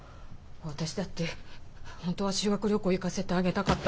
私だって本当は修学旅行行かせてあげたかった。